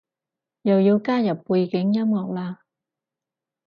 又要加入背景音樂喇？